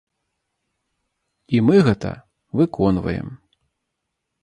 І мы гэта выконваем!